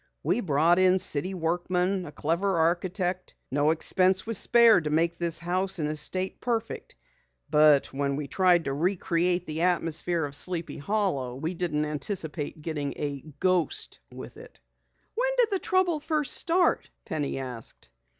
We brought in city workmen, a clever architect. No expense was spared to make this house and estate perfect. But when we tried to recreate the atmosphere of Sleepy Hollow, we didn't anticipate getting a ghost with it." "When did the trouble first start?" Penny asked.